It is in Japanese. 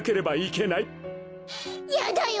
やだよ